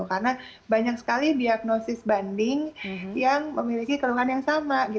karena banyak sekali diagnosis banding yang memiliki keluhan yang sama